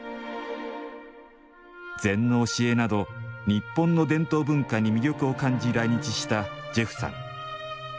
禅の教えなど、日本の伝統文化に魅力を感じ来日したジェフさん。